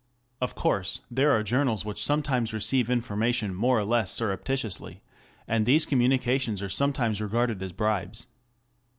Of course there are journals which sometimes receive information more or less surreptitiously, and these communications are sometimes regarded as bribes.